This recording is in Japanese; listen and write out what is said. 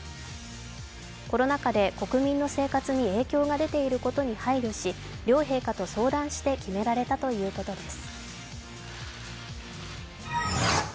コロナ禍で国民の生活に影響が出ていることに配慮し両陛下と相談して決められたということです。